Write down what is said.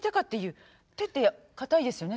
手って固いですよね